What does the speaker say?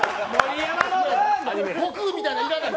悟空みたいなの、いらない。